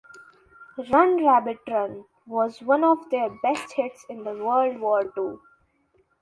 Run Rabbit Run was one of their best hits in World War Two.